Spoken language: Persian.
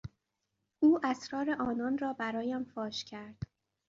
او اسرار آنان را برایم فاش کرد.